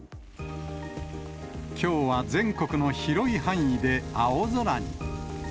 きょうは全国の広い範囲で青空に。